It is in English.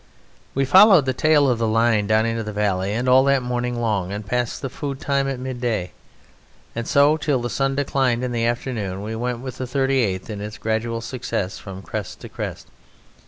We followed the tail of the line down into the valley, and all that morning long and past the food time at midday, and so till the sun declined in the afternoon, we went with the 38th in its gradual success from crest to crest.